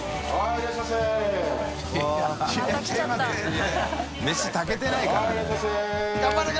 いめし炊けてないからね。